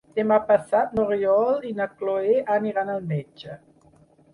Demà passat n'Oriol i na Cloè aniran al metge.